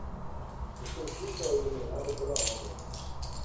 O surfista é eliminado pela onda.